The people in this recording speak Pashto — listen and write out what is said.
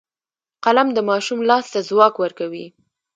قلم د ماشوم لاس ته ځواک ورکوي